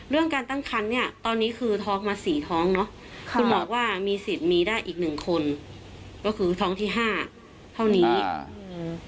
เรื่องการตั้งครรภ์เนี่ยตอนนี้คือท้องมา๔ท้องเนาะคุณหมอก็ว่ามีสิทธิ์มีได้อีก๑คนก็คือท้องที่๕เท่านี้